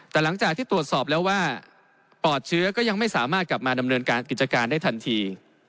แต่หลังจากที่ตรวจสอบแล้วว่าปลอดเชื้อก็ยังไม่สามารถกลับมาดำเนินการกิจการได้ทันที